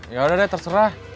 yaudah deh terserah